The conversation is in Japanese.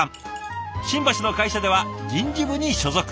新橋の会社では人事部に所属。